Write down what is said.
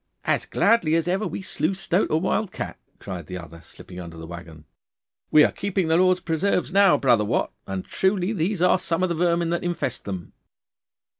'As gladly as ever we slew stoat or wild cat,' cried the other, slipping under the waggon. 'We are keeping the Lord's preserves now, brother Wat, and truly these are some of the vermin that infest them.